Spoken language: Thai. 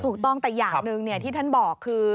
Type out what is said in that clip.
ถูกต้องแต่อย่างหนึ่งที่ท่านบอกคือ